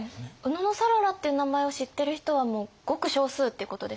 野讃良って名前を知ってる人はもうごく少数ってことですか？